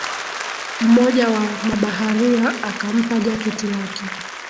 mmoja wa mabaharia akampa jaketi lake